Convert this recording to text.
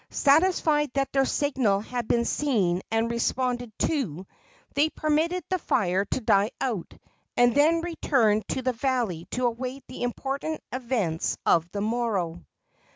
Satisfied that their signal had been seen and responded to, they permitted the fire to die out, and then returned to the valley to await the important events of the morrow.